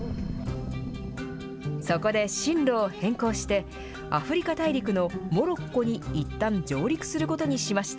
そこで進路を変更して、アフリカ大陸のモロッコにいったん上陸することにしました。